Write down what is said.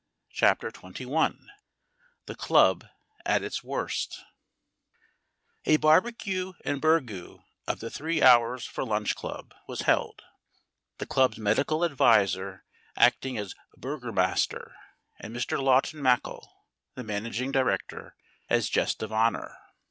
THE CLUB AT ITS WORST A barbecue and burgoo of the Three Hours for Lunch Club was held, the club's medical adviser acting as burgoomaster and Mr. Lawton Mackall, the managing director, as jest of honour.